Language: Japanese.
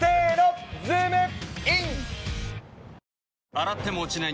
洗っても落ちない